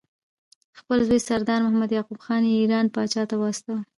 خپل زوی سردار محمد یعقوب خان یې ایران پاچا ته واستاوه.